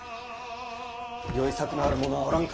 よい策のある者はおらぬか。